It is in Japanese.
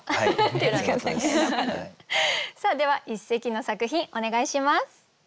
さあでは一席の作品お願いします。